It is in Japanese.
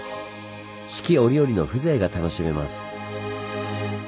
四季折々の風情が楽しめます。